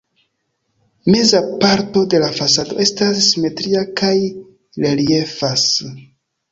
Meza parto de la fasado estas simetria kaj reliefas.